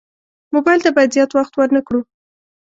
موبایل ته باید زیات وخت ورنه کړو.